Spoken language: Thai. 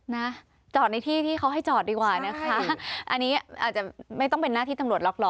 นะจอดในที่ที่เขาให้จอดดีกว่านะคะอันนี้อาจจะไม่ต้องเป็นหน้าที่ตำรวจล็อกล้อ